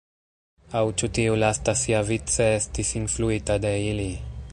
Aŭ ĉu tiu lasta siavice estis influita de ili?